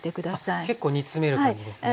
あっ結構煮詰める感じですね。